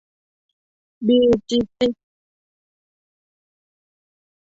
บี จิสติกส์